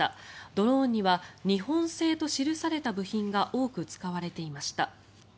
ドローンには日本製と記された部品が多く使われていました。